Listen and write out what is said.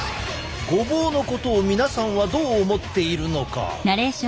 「ごぼう」のことを皆さんはどう思っているのか？